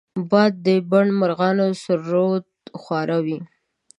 باد د بڼ مرغانو سرود خواره وي